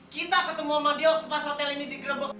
kita ketemu sama dia waktu pas hotel ini digerebok